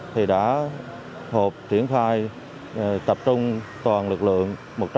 thì đã họp triển khai tập trung toàn lực lượng